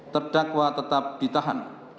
terdakwa tetap ditahan